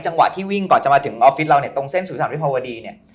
จังหวะที่วิ่งก่อนจะมาถึงออฟฟิศเราตรงเส้นสู่สรรพิพาวดี